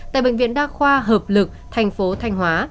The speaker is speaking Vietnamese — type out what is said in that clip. tại bệnh viện đa khoa hợp lực thành phố thanh hóa